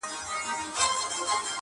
زلمي، زلمي کلونه جهاني قبر ته توی سول!